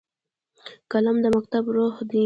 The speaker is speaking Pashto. قلم د مکتب روح دی